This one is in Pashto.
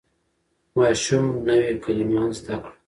ماشوم نوې کلمه زده کړه